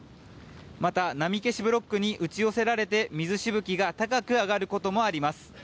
また、波消しブロックに打ち寄せられて水しぶきが高く上がることもあります。